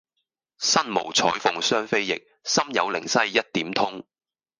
身無彩鳳雙飛翼，心有靈犀一點通。